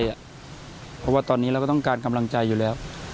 เพราะว่าตอนนี้เราก็ต้องการกำลังใจอยู่แล้ว